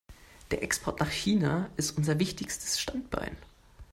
Der Export nach China ist unser wichtigstes Standbein.